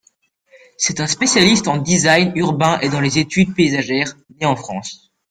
C’est un spécialiste en design urbain et dans les études paysagères, né en France.